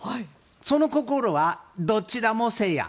その心はどちらも、せいや。